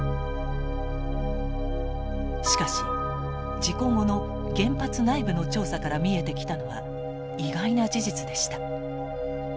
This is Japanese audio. しかし事故後の原発内部の調査から見えてきたのは意外な事実でした。